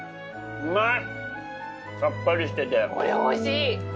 うまい。